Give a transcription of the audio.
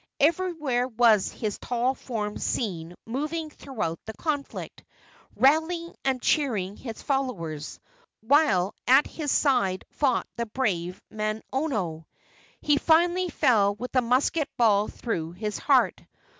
Everywhere was his tall form seen moving throughout the conflict, rallying and cheering his followers, while at his side fought the brave Manono. He finally fell with a musket ball through his heart.